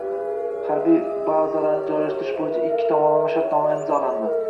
Harbiy bazalarni joylashtirish bo‘yicha ikki tomonlama shartnomalar imzolandi.